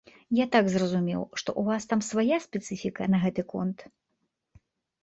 Я так зразумеў, што ў вас там свая спецыфіка на гэты конт.